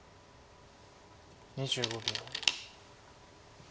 ２５秒。